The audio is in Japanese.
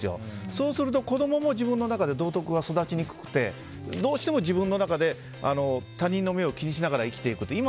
そうすると子供も自分の中で道徳が育ちにくくてどうしても自分の中で他人の目を気にしながら生きていくという。